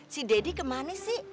si deddy kemana sih